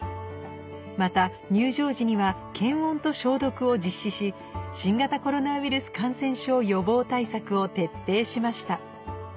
また入場時には新型コロナウイルス感染症予防対策を徹底しました